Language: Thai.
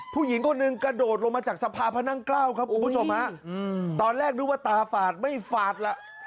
ผู้หญิงคนหนึ่งกระโดดลงมาจากสภาพพระนั่งเกล้าครับคุณผู้ชมฮะตอนแรกนึกว่าตาฝาดไม่ฝาดล่ะ